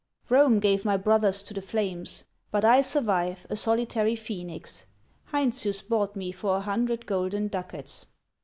"Rome gave my brothers to the flames, but I survive a solitary Phoenix. Heinsius bought me for a hundred golden ducats."